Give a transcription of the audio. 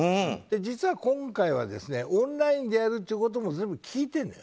実は、今回はオンラインでやるっていうことも全部聞いてるのよ。